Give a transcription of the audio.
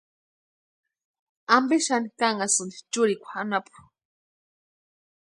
¿Ampe xani kánhasïni churikwa anapu?